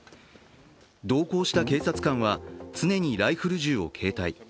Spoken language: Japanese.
同行した警察官は、常にライフル銃を携帯。